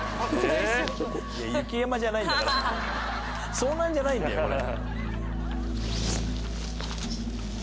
遭難じゃないんだよこれ。